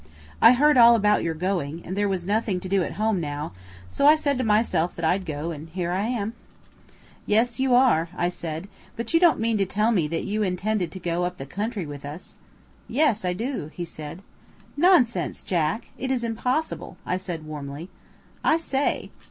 "I heard all about your going, and there was nothing to do at home now, so I said to myself that I'd go, and here I am." "Yes, here you are," I said; "but you don't mean to tell me that you intended to go up the country with us?" "Yes, I do," he said. "Nonsense, Jack! it is impossible!" I said warmly. "I say!"